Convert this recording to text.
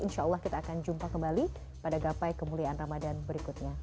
insya allah kita akan jumpa kembali pada gapai kemuliaan ramadhan berikutnya